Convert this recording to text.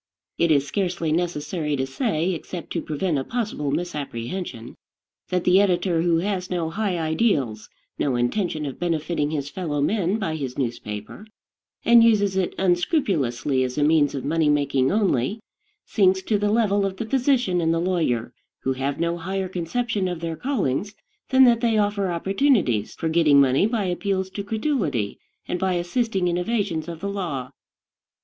It is scarcely necessary to say, except to prevent a possible misapprehension, that the editor who has no high ideals, no intention of benefiting his fellow men by his newspaper, and uses it unscrupulously as a means of money making only, sinks to the level of the physician and the lawyer who have no higher conception of their callings than that they offer opportunities for getting money by appeals to credulity, and by assisting in evasions of the law.